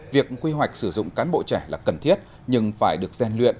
việc quy hoạch sử dụng cán bộ trẻ là cần thiết nhưng phải được gian luyện